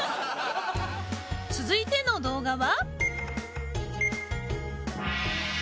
続いての動画は。